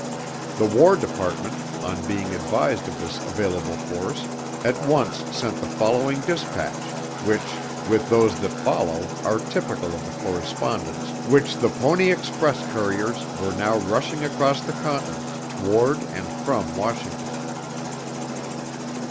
The War Department, on being advised of this available force, at once sent the following dispatch, which, with those that follow are typical of the correspondence which the Pony Express couriers were now rushing across the Continent toward and from Washington.